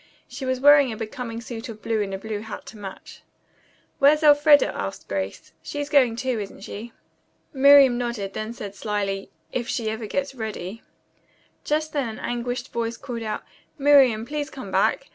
She was wearing a becoming suit of blue and a blue hat to match. "Where's Elfreda?" asked Grace. "She's going, too, isn't she?" Miriam nodded, then said slyly, "If she ever gets ready." Just then an anguished voice called out, "Miriam, please come back.